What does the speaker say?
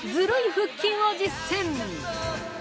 腹筋を実践！